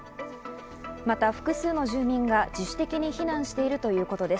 また複数の住民が自主的に避難しているということです。